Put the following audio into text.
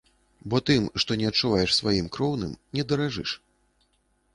Бо тым, што не адчуваеш сваім кроўным, не даражыш.